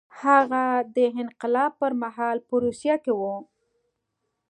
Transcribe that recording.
هغه د انقلاب پر مهال په روسیه کې و.